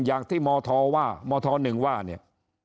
อย่างที่มธว่ามธ๑ว่าเนี่ย